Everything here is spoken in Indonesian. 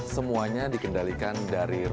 semuanya akan terkait di main operations center